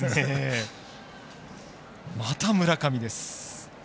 また村上です。